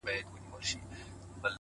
فکر بدلېږي نو لوری بدلېږي!